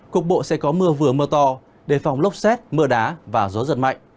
cục bộ sẽ có mưa vừa mưa to đề phòng lốc xét mưa đá và gió giật mạnh